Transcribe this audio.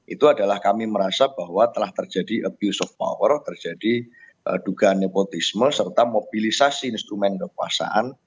itu adalah kami merasa bahwa telah terjadi abuse of power terjadi dugaan nepotisme serta mobilisasi instrumen kekuasaan